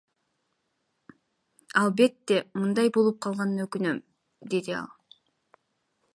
Албетте, мындай болуп калганына өкүнөм, — деди ал.